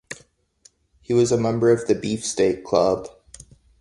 He was a member of the Beefsteak Club.